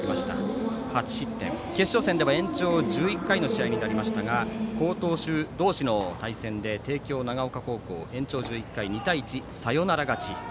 決勝点では延長１１回の試合になりましたが好投手同士の対戦で帝京長岡高校延長１１回２対１のサヨナラ勝ち。